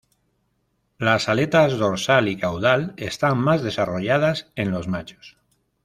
Las aletas dorsal y caudal están más desarrolladas en los machos.